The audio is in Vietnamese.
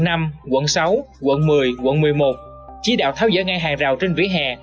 quận bảy quận tám quận chín quận một mươi quận một mươi một chỉ đạo theo dõi ngang hàng rào trên vỉa hè